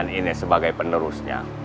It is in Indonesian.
dengan ines sebagai penerusnya